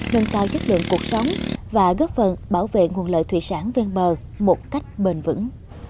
nâng cao chất lượng cuộc sống và góp phần bảo vệ nguồn lợi thủy sản ven bờ một cách bền vững